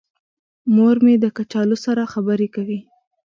مور مې د کچالو سره خبرې کوي.